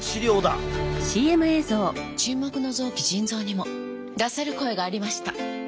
沈黙の臓器腎臓にも出せる声がありました。